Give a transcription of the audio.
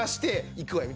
いくわよ。